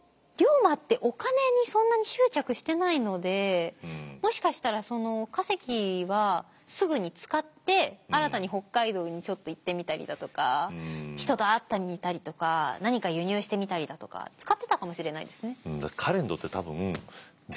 龍馬ってもしかしたらその稼ぎはすぐに使って新たに北海道にちょっと行ってみたりだとか人と会ってみたりとか何か輸入してみたりだとか使ってたかもしれないですね。